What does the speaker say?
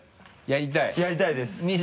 やりたいです。